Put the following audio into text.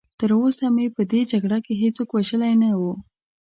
تراوسه مې په دې جګړه کې هېڅوک وژلی نه و.